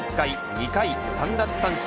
２回３奪三振